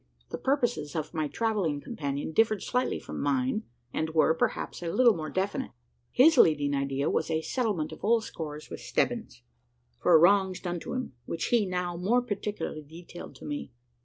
The purposes of my travelling companion differed slightly from mine, and were, perhaps, a little more definite. His leading idea was a settlement of old scores with Stebbins, for wrongs done to him which he now more particularly detailed to me.